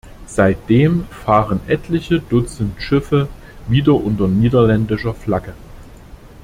Seitdem fahren etliche Dutzend Schiffe wieder unter niederländischer Flagge.